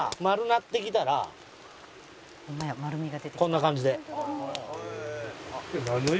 こんな感じで。